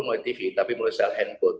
tidak perlu tv tapi harus handphone